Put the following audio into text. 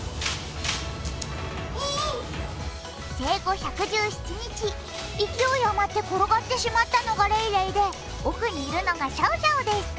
生後１１７日、勢い余って転がってしまったのがレイレイで奥にいるのがシャオシャオです。